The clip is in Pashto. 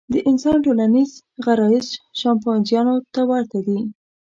د انسان ټولنیز غرایز شامپانزیانو ته ورته دي.